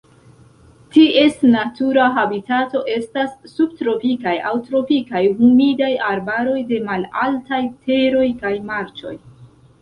Ties natura habitato estas subtropikaj aŭ tropikaj humidaj arbaroj de malaltaj teroj kaj marĉoj.